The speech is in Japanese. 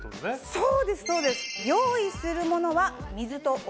そうですそうです。のみ。